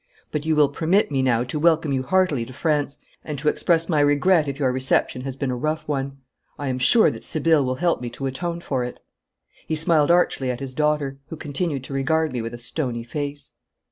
But you will permit me now to welcome you heartily to France, and to express my regret if your reception has been a rough one. I am sure that Sibylle will help me to atone for it.' He smiled archly at his daughter, who continued to regard me with a stony face.